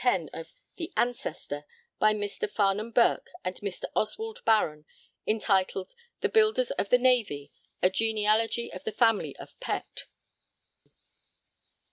of the 'Ancestor,' by Mr. Farnham Burke and Mr. Oswald Barron, entitled 'The Builders of the Navy: a Genealogy of the Family of Pett.'